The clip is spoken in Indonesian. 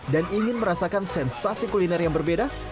dan ingin merasakan sensasi kuliner yang berbeda